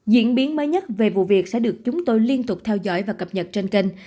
diễn biến mới nhất về vụ việc sẽ được chúng tôi liên tục theo dõi và cập nhật trên kênh